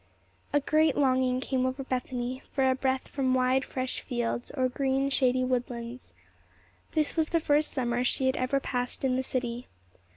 A great longing came over Bethany for a breath from wide, fresh fields, or green, shady woodlands. This was the first summer she had ever passed in the city.